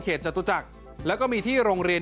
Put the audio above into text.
จตุจักรแล้วก็มีที่โรงเรียน